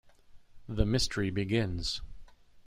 The Mystery Begins.